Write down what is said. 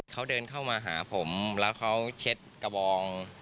เขาเดินเข้ามาหาผมแล้วเขาเช็ดกระบอง